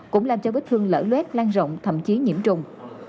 cũng làm cho vết thương lỡ luết lan rộng thậm chí nhiễm trùng